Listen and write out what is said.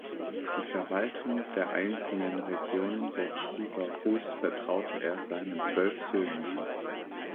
Die Verwaltung der einzelnen Regionen der Kiewer Rus vertraute er seinen zwölf Söhnen an.